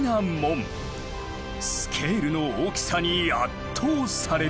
スケールの大きさに圧倒される。